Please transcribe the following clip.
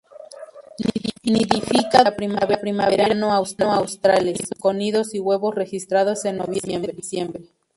Nidifica durante la primavera y verano australes, con nidos y huevos registrados en noviembre-diciembre.